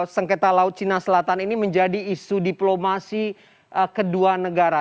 sengketa laut cina selatan ini menjadi isu diplomasi kedua negara